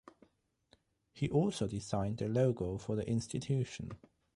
He also designed the logo for the Institution.